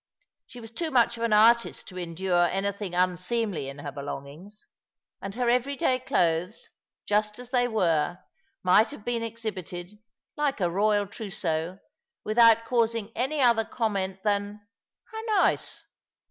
She was too much of an artist to endure anything unseemly in her belongings, and her everyday clothes, just as they were, might have been exhibited, like a Eoyal trousseau, without causing any other comment than, " How nice